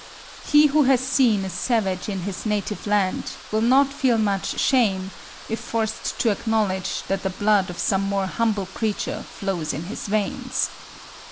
He who has seen a savage in his native land will not feel much shame, if forced to acknowledge that the blood of some more humble creature flows in his veins.